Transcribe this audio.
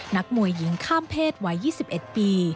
นักมวยหญิงข้ามเพศวัย๒๑ปี